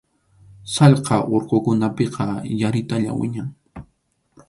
Sallqa urqukunapiqa yaritalla wiñan.